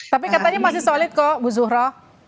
tapi katanya masih solid kok bu zuhro